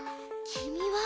きみは？